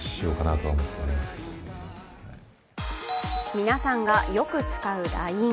皆さんがよく使うＬＩＮＥ。